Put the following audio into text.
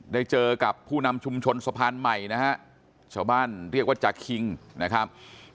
ได้เจอกับผู้นำชุมชนสะพานใหม่นะฮะชาวบ้านเรียกว่าจากคิงนะครับ